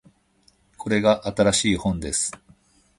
これが新しい本です